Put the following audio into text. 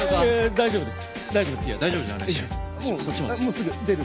大丈夫！です。